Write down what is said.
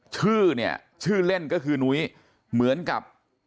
ชื่อเนี่ยชื่อเล่นก็คือนุ้ยเหมือนกับ